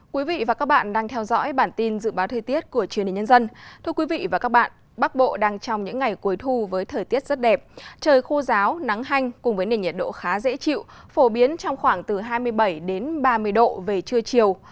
các bạn hãy đăng ký kênh để ủng hộ kênh của chúng mình nhé